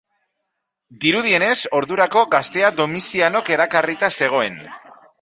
Dirudienez, ordurako, gaztea Domizianok erakarrita zegoen.